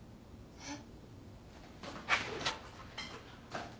えっ。